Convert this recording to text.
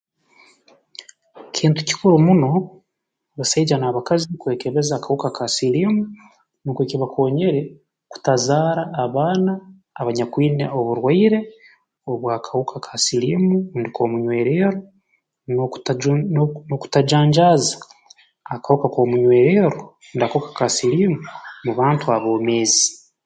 Kintu kikiru muno abasaija n'abakazi kwekebeza akahuka ka siliimu nukwo kibakoonyere kutazaara abaana abanyakwine oburwaire obw'akahuka ka siliimu rundi k'omunywererro n'okutaju n'okutajanjaaza akahuka k'omunywererro rundi akahuka ka siliimu mu bantu aboomeezi